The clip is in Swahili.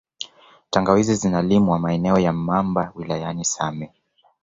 Tangawizi zinalimwa maeneo ya Mamba wilayani same